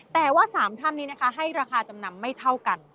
แต่ว่า๓ท่านนี้นะคะให้ราคาจำนำไม่เท่ากัน